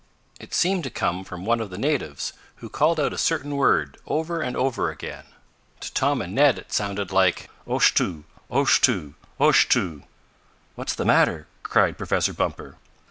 It seemed to come from one of the natives, who called out a certain word ever and over again. To Tom and Ned it sounded like: "Oshtoo! Oshtoo! Oshtoo!" "What's the matter?" cried Professor Bumper.